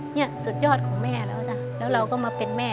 นี่สุดยอดของแม่แล้วจ้ะแล้วเราก็มาเป็นแม่